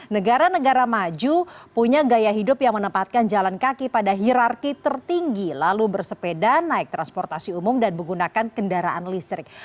negara negara maju punya gaya hidup yang menempatkan jalan kaki pada hirarki tertinggi lalu bersepeda naik transportasi umum dan menggunakan kendaraan listrik